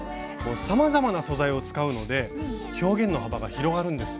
さまざまな素材を使うので表現の幅が広がるんです。